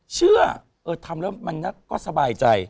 เชื่อเออทำแล้วมันก็สบายใจ